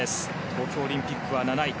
東京オリンピックは７位。